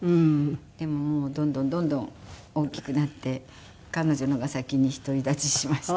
でももうどんどんどんどん大きくなって彼女の方が先に独り立ちしましたけど。